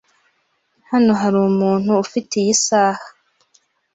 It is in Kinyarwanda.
Hano hari umuntu ufite iyi saha?